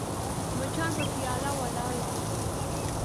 مچان پر پیاله ولاړ وي